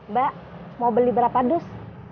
mbak mau beli berapa dus